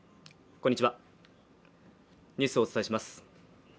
こんにちはニュースをお伝えします。